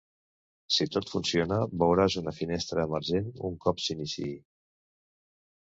Si tot funciona, veuràs una finestra emergent un cop s'iniciï.